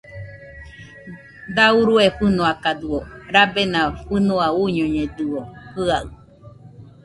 Da urue fɨnoakadɨo, rabena fɨnua uñoiakañedɨo jɨaɨ